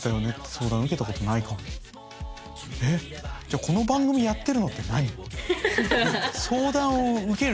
じゃあこの番組やってるのって何？